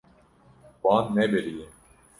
Wan nebiriye.